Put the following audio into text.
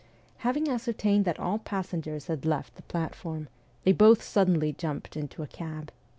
Having ascertained that all passengers had left the platform, they both suddenly jumped into a cab.